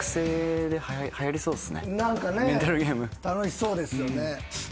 楽しそうですよね。